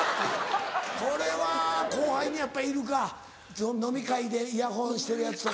これは後輩にやっぱいるか飲み会でイヤホンしてるヤツとか。